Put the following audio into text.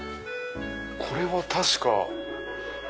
これは確か。